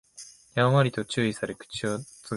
やんわりと注意され口を慎む